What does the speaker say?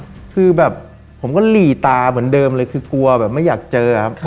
คือแบบผมก็หลีตาเหมือนเดิมเลยคือกลัวแบบไม่อยากเจอครับ